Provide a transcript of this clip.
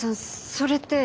それって。